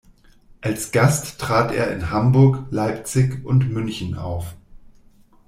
Als Gast trat er in Hamburg, Leipzig und München auf.